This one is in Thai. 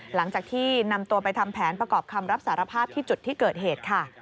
หลังจากที่นำตัวไปทำแผนประกอบคำรับสารภาพที่จุดที่เกิดเหตุค่ะ